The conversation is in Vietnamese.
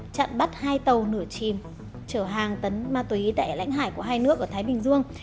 chặn bắt hai tàu nửa chìm chở hàng tấn ma túy tại lãnh hải của hai nước ở thái bình dương